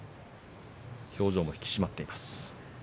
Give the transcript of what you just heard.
表情も引き締まっています。